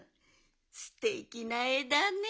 すてきなえだね。